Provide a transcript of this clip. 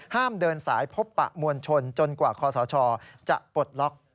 เดินสายพบปะมวลชนจนกว่าคอสชจะปลดล็อก